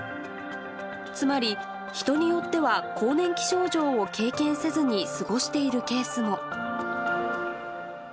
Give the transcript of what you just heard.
つまり、人によっては更年期症状を経験せずに過ごしているケースも。